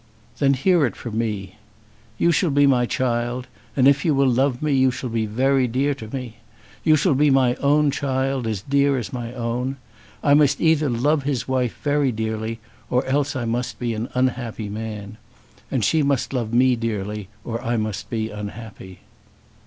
"Then hear it from me. You shall be my child. And if you will love me you shall be very dear to me. You shall be my own child, as dear as my own. I must either love his wife very dearly, or else I must be an unhappy man. And she must love me dearly, or I must be unhappy."